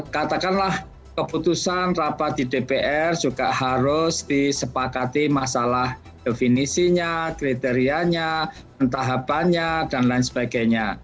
katakanlah keputusan rapat di dpr juga harus disepakati masalah definisinya kriterianya pentahapannya dan lain sebagainya